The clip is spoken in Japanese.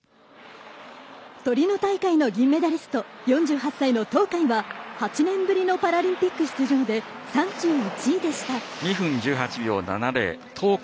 トリノ大会の銀メダリスト４８歳の東海は８年ぶりのパラリンピック出場で３１位でした。